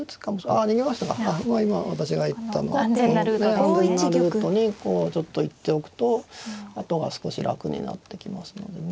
安全なルートにこうちょっと行っておくとあとが少し楽になってきますのでね。